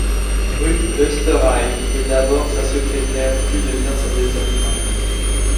Ruth Oesterreich est d'abord sa secrétaire puis devient sa deuxième femme.